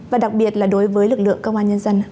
và đặc biệt là đối với lực lượng công an nhân dân